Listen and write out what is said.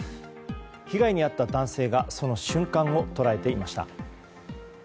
被害に遭った男性がその瞬間を捉えていました。